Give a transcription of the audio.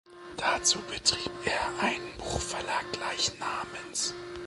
Dazu betrieb er einen Buchverlag gleichen Namens.